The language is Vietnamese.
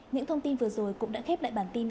những thông tin vừa rồi cũng đã khép lại bản tin